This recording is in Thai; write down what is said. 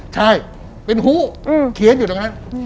ใช่เป็นฮู้เขียนอยู่ตรงนั้น